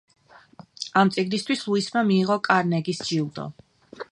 ამ წიგნისათვის ლუისმა მიიღო კარნეგის ჯილდო.